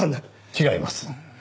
違います。